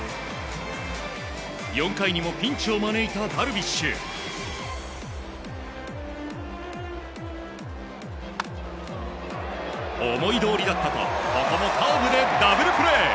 ４回にもピンチを招いたダルビッシュ。思いどおりだったとここもカーブでダブルプレー！